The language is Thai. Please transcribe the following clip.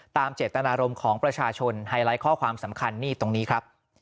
ตามเจตนารมณ์ของประชาชนไฮไลท์ข้อความสำคัญนี่ตรงนี้ครับ